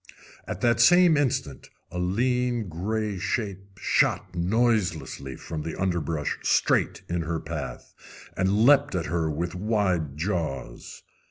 At that same instant a lean, gray shape shot noiselessly from the underbrush straight in her path, and leaped at her with wide jaws.